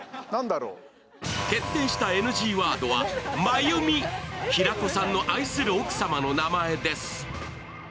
決定したＮＧワードは平子さんの愛する奥様の名前です。